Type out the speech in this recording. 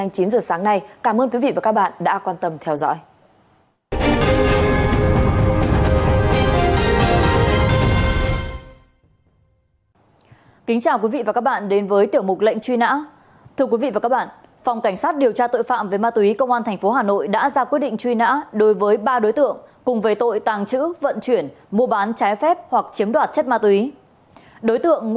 cảm ơn quý vị đã quan tâm theo dõi